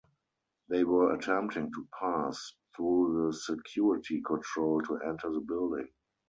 They were attempting to pass through the security control to enter the building.